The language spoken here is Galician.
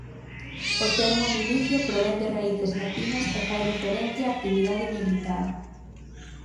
O termo "milicia" provén de raíces latinas e fai referencia á actividade militar.